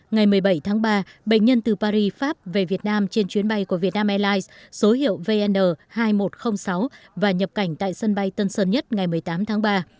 ngày một mươi bảy tháng ba bệnh nhân từ paris pháp về việt nam trên chuyến bay của vietnam airlines số hiệu vn hai nghìn một trăm linh sáu và nhập cảnh tại sân bay tân sơn nhất ngày một mươi tám tháng ba